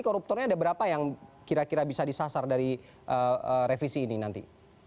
koruptornya ada berapa yang kira kira bisa disasar dari revisi ini nanti